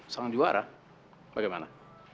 sang juara bagaimana